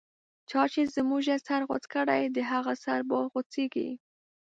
چا چی زموږه سر غوڅ کړی، د هغه سر به غو څیږی